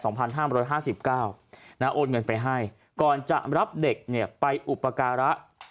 โอนเงินไปให้ก่อนจะรับเด็กเนี่ยไปอุปการะ